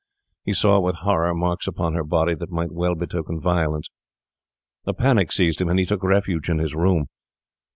He saw, with horror, marks upon her body that might well betoken violence. A panic seized him, and he took refuge in his room.